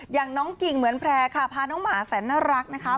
อย่างน้องกิ่งเหมือนแพร่ค่ะพาน้องหมาแสนน่ารักนะคะ